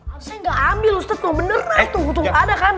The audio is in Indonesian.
ustaz gak ambil ustaz mau beneran tunggu tunggu ada kan